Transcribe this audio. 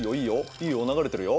いいよ流れてるよ。